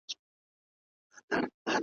بیا په خپل مدارکي نه سي ګرځېدلای `